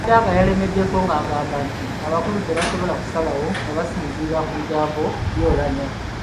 Kadaga yalemeddeko ng’agamba nti abakulu tebasobola kusalawo nga basinziira ku bigambo bya Oulanyah.